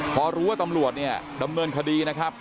พอรู้ว่าตำรวจเนี่ยดำเนินคดีนะครับ